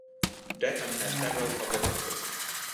Deckham has several public houses.